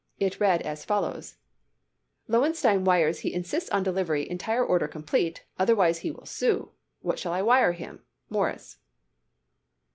It read as follows: "Lowenstein wires he insists on delivery entire order complete, otherwise he will sue. What shall I wire him? MORRIS."